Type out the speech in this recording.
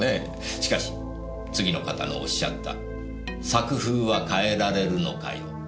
しかし次の方のおっしゃった「作風は変えられるのかよ？」